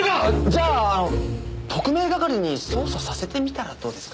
じゃああの特命係に捜査させてみたらどうですか？